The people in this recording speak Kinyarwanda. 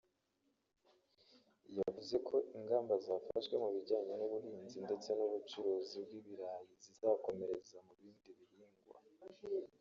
yavuze ko ingamba zafashwe mu bijyanye n’ubuhinzi ndetse n’ubucuruzi bw’ibirayi zizakomereza mu bindi bihingwa